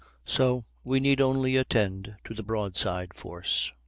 So we need only attend to the broadside force.